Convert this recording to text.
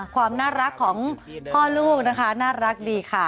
ความน่ารักของพ่อลูกนะคะน่ารักดีค่ะ